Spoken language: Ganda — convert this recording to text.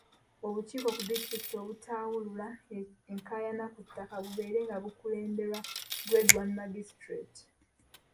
Obukiiko ku disitulikiti obutawulula enkaayana ku ttaka bubeere nga bukulemberwa Grade one Magistrate.